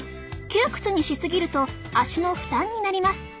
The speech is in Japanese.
窮屈にし過ぎると足の負担になります。